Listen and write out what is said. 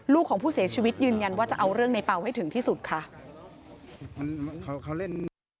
ของผู้เสียชีวิตยืนยันว่าจะเอาเรื่องในเปล่าให้ถึงที่สุดค่ะ